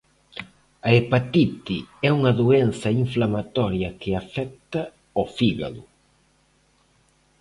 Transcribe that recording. A hepatite é unha doenza inflamatoria que afecta ao fígado.